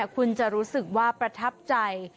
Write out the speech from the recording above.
คุณจะรู้สึกว่าประทับใจ